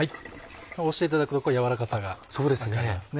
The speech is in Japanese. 押していただくと軟らかさが分かりますね。